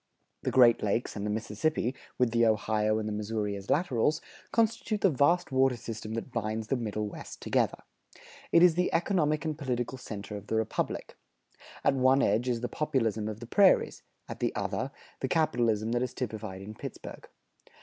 The Great Lakes and the Mississippi, with the Ohio and the Missouri as laterals, constitute the vast water system that binds the Middle West together. It is the economic and political center of the Republic. At one edge is the Populism of the prairies; at the other, the capitalism that is typified in Pittsburgh.